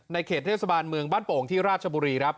เขตเทศบาลเมืองบ้านโป่งที่ราชบุรีครับ